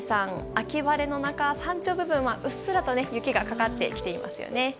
秋晴れの中、山頂部分はうっすら雪がかかっていますね。